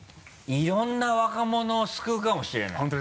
いろんな若者を救うかもしれない。